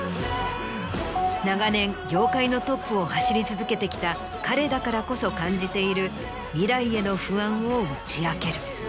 長年業界のトップを走り続けてきた彼だからこそ感じている未来への不安を打ち明ける。